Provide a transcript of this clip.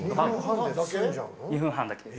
２分半だけです。